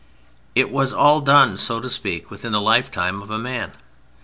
It was all done, so to speak, within the lifetime of a man.